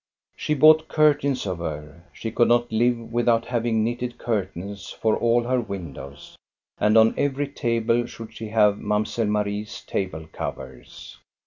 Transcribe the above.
She bought curtains of her. She could not live without having knitted curtains for all her windows, and on every table should she have Mamselle Marie's table covers.